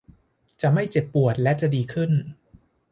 จะไม่เจ็บปวดและจะดีขึ้น